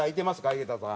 井桁さん。